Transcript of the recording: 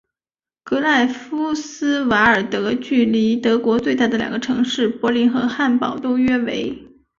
格赖夫斯瓦尔德距离德国最大的两个城市柏林和汉堡都约为。